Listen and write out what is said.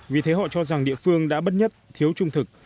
vì thế họ cho rằng địa phương đã bất nhất thiếu trung thực